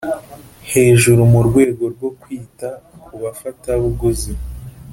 hejuru mu rwego rwo kwita kubafatabuguzi